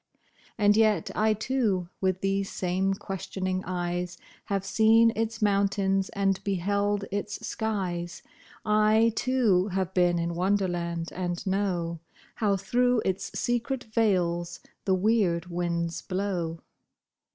And yet I, too, with these same questioning eyes, Have seen its mountains and beheld its skies ; I, too, have been in Wonderland, and know How through its secret vales the weird winds blow.